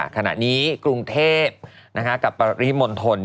ขณะนี้กรุงเทพกับปริมณฑล